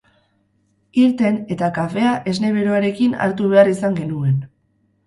Irten eta kafea esne beroarekin hartu behar izan genuen.